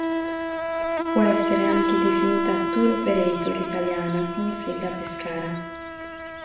Può essere anche definita tour operator italiana con sede a Pescara.